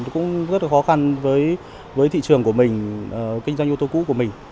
cũng rất là khó khăn với thị trường của mình kinh doanh ô tô cũ của mình